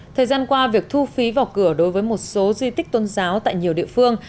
thời gian qua việc thu phí vào cửa đối với một số di tích tôn giáo tại nhiều địa phương